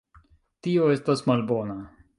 Tio estas malbona